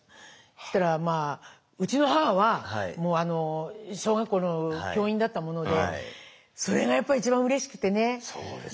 そしたらうちの母は小学校の教員だったものでそれがやっぱり一番うれしくてね。